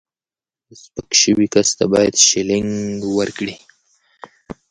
د سپک شوي کس ته باید شیلینګ ورکړي.